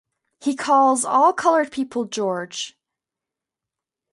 'He calls all colored people George.